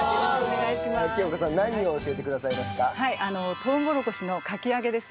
とうもろこしのかき揚げです。